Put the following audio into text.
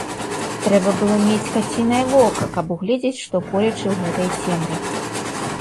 Трэба было мець кацінае вока, каб угледзець што-колечы ў гэтай цемры.